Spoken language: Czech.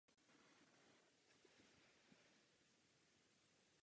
Později bylo znovu zrekonstruované a rozšířené.